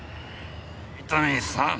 伊丹さん。